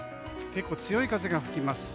結構強い風が吹きます。